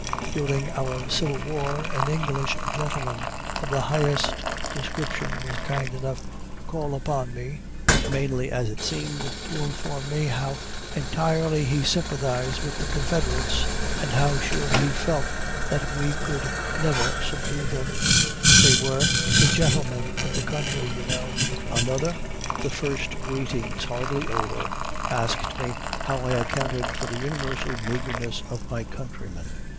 During our Civil War an English gentleman of the highest description was kind enough to call upon me, mainly, as it seemed, to inform me how entirely he sympathized with the Confederates, and how sure he felt that we could never subdue them, "they were the gentlemen of the country, you know." Another, the first greetings hardly over, asked me how I accounted for the universal meagerness of my countrymen.